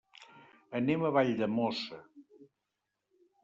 Anem a Valldemossa.